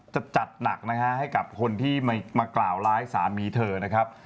จะจัดหนักนะฮะให้กับคนที่มากล่าวร้ายสามีเธอนะครับ